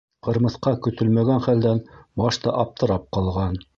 Ҡырмыҫҡа көтөлмәгән хәлдән башта аптырап ҡалған.